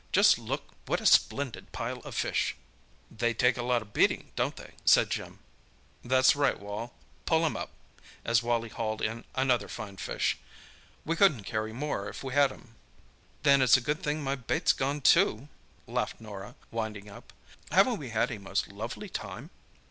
"Just look what a splendid pile of fish!" "They take a bit of beating, don't they?" said Jim. "That's right, Wal, pull him up!" as Wally hauled in another fine fish. "We couldn't carry more if we had 'em." "Then it's a good thing my bait's gone, too!" laughed Norah, winding up. "Haven't we had a most lovely time!"